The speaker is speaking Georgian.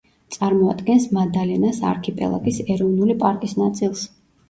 წარმოადგენს მადალენას არქიპელაგის ეროვნული პარკის ნაწილს.